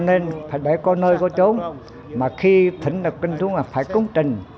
cho nên phải để có nơi có chốn mà khi thỉnh lập kinh thú là phải cúng trình